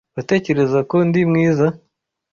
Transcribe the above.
Uratekereza ko ndi mwiza? (Bah_Dure)